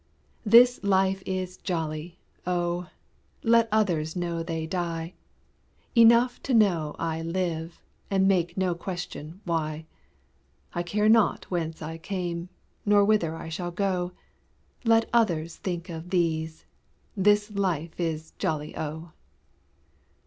This life is jolly, O! Let others know they die, Enough to know I live, And make no question why; I care not whence I came, Nor whither I shall go; Let others think of these This life is jolly, O!